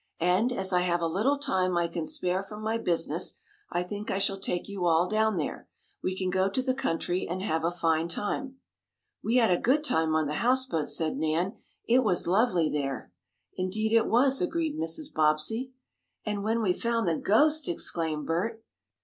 And, as I have a little time I can spare from my business, I think I shall take you all down there. We can go to the country and have a fine time." "We had a good time on the houseboat," said Nan. "It was lovely there." "Indeed it was," agreed Mrs. Bobbsey. "And when we found the ghost!" exclaimed Bert.